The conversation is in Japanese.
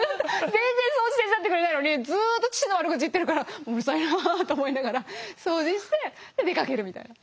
全然掃除手伝ってくれないのにずっと父の悪口言ってるからうるさいなあと思いながら掃除してで出かけるみたいな。